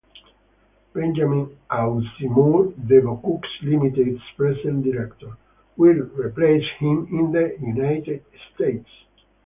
Benjamin Auzimour, Devoucoux Limited's present Director, will replace him in the United States.